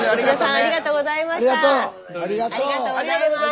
ありがとうございます。